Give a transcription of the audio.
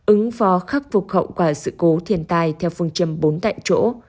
ứng phó khắc phục hậu quả sự cố thiền tài theo phương châm bốn tại chỗ